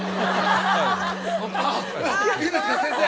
あっいいんですか先生。